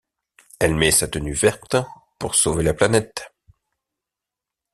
Elle met sa tenue verte pour sauver la planète.